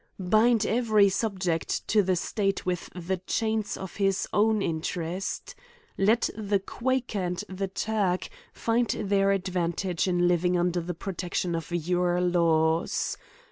Bind every subject to the state with the chains of his own interest. Let the Quaker and 174 A COMMENT ART? ON the Turk find their advantage in living under th^ protection of your laws.